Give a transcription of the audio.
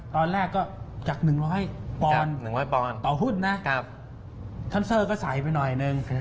ตอนแรกก็จาก๑๐๐ปอนต่อหุ้นนะทันเซอร์ก็ใสไปหน่อยนึง